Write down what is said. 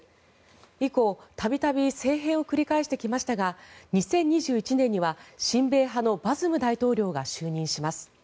以降、度々政変を繰り返してきましたが２０２１年には親米派のバズム大統領が就任します。